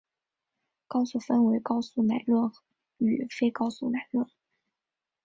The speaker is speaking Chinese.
告诉分为告诉乃论与非告诉乃论。